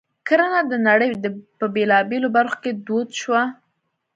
کرنه د نړۍ په بېلابېلو برخو کې دود شوه.